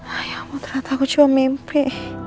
ayahmu ternyata aku cuma mimpi